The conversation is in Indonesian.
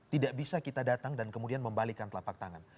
tidak bisa kita datang dan kemudian membalikan telapak tangan